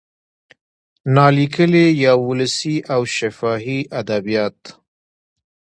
نا لیکلي یا ولسي او شفاهي ادبیات